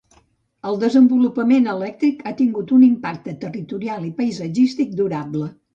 El desenvolupament elèctric ha tingut un impacte territorial i paisatgístic durable.